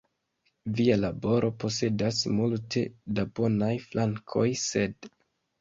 Via laboro posedas multe da bonaj flankoj, sed.